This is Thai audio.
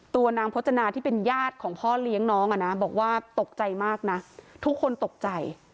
ตัวนางพจนาที่เป็นญาติของพ่อเลี้ยงน้องอ่ะนะบอกว่าตกใจมากนะทุกคนตกใจ